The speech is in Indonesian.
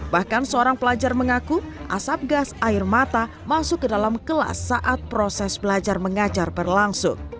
bahkan seorang pelajar mengaku asap gas air mata masuk ke dalam kelas saat proses belajar mengajar berlangsung